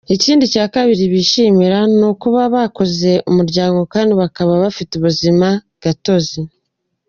Ikindi cya kabiri bishimira ni ukuba bakoze umuryango kandi bakaba bafite ubuzima gatozi.